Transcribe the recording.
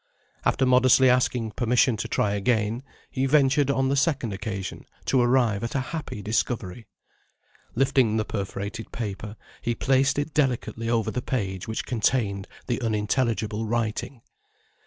After modestly asking permission to try again, he ventured on the second occasion to arrive at a happy discovery. Lifting the perforated paper, he placed it delicately over the page which contained the unintelligible writing.